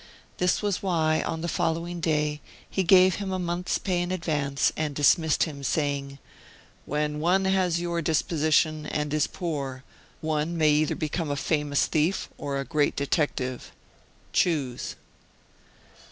This was why, on the following day, he gave him a month's pay in advance, and dismissed him, saying: "When one has your disposition, and is poor, one may either become a famous thief or a great detective. Choose."